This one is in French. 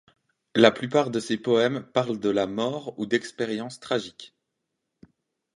La plupart de ces poèmes parlent de la mort ou d’expériences tragiques.